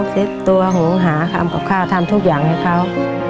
เซ็ตตัวหงหาทำกับข้าวทำทุกอย่างให้เขา